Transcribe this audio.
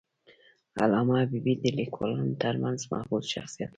علامه حبیبي د لیکوالانو ترمنځ محبوب شخصیت و.